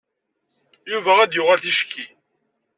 Yuba ad d-yuɣal ticki.